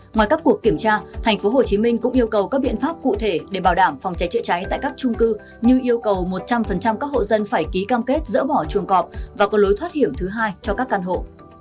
ngoài các cuộc kiểm tra tp hcm cũng yêu cầu các biện pháp cụ thể để bảo đảm phòng cháy chữa cháy tại các trung cư như yêu cầu một trăm linh các hộ dân phải ký cam kết dỡ bỏ chuồng cọp và có lối thoát hiểm thứ hai cho các căn hộ